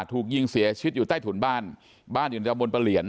ถูกยิงเสียชีวิตอยู่ใต้ถุนบ้านบ้านอยู่ในตะบนประเหลียน